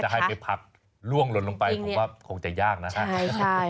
จะให้ไปผลักล่วงลนลงไปก็คงจะยากนะครับ